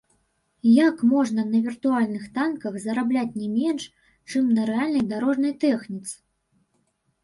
Як можна на віртуальных танках зарабляць не менш, чым на рэальнай дарожнай тэхніцы?